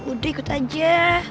udah ikut aja